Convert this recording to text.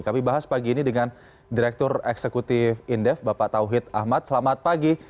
kami bahas pagi ini dengan direktur eksekutif indef bapak tauhid ahmad selamat pagi